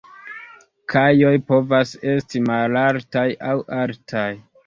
Kajoj povas esti malaltaj aŭ altaj.